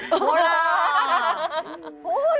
ほら。